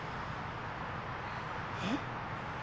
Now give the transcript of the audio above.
えっ？